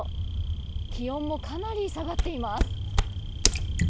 気温もかなり下がっています。